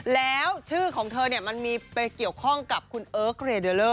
แล้วชื่อของเธอเนี่ยมันมีไปเกี่ยวข้องกับคุณเอิร์กเรเดอร์